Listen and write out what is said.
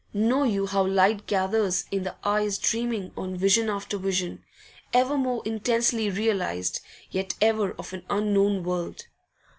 Know you how light gathers in the eyes dreaming on vision after vision, ever more intensely realised, yet ever of an unknown world?